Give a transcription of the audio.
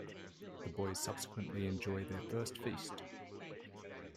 The boys subsequently enjoy their first feast.